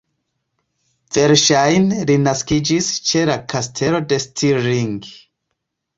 Verŝajne li naskiĝis ĉe la Kastelo de Stirling.